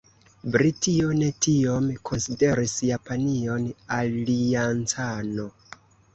Britio ne tiom konsideris Japanion aliancano.